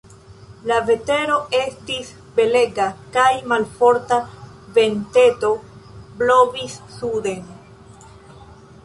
La vetero estis belega kaj malforta venteto blovis suden.